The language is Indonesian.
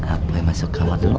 apa emang masuk kamar dulu